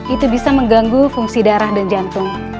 itu bisa mengganggu fungsi darah dan jantung